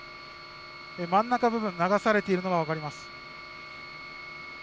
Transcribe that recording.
真ん中部分が流されているのが分かります。